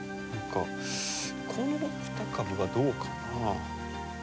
この２株がどうかな。